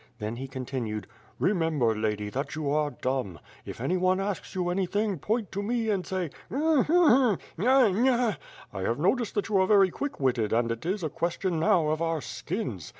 Then he continued: "Remember, lady, that you are dumb. If anyone asks you anything, point to me and say: Mm! hm! hm! nya! nya! I have noted that you are very quick witted and it is a question ^YITH FIRE AND SWORD, 263 now of our skins.